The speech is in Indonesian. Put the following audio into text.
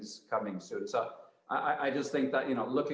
saya pikir melihat dan meneliti